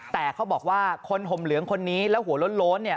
แต่เขาบอกว่าคนห่มเหลืองคนนี้แล้วหัวโล้นเนี่ย